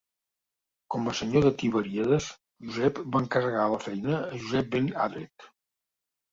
Com a senyor de Tiberíades, Josep va encarregar la feina a Josep ben Adret.